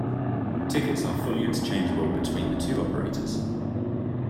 Tickets are fully interchangeable between the two operators.